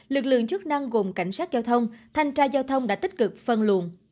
lực lượng chức năng gồm cảnh sát giao thông thanh tra giao thông đã tích cực phân luồn